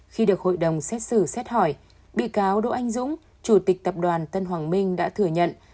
khi được hội đồng xét xử xét hỏi bị cáo đỗ anh dũng chủ tịch tập đoàn tân hoàng minh đã thừa nhận